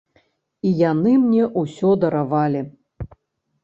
І яны мне ўсё даравалі.